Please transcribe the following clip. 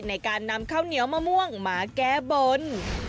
ในการนำข้าวเหนียวมะม่วงมาแก้บน